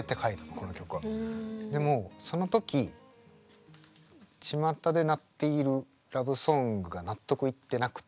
でもその時ちまたで鳴っているラブソングが納得いってなくって。